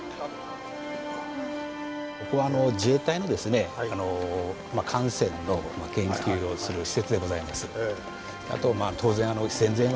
ここは自衛隊の艦船の研究をする施設でございます。